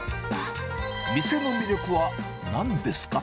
店の魅力はなんですか？